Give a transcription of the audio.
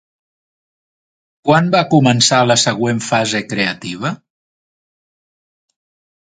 Quan va començar la següent fase creativa?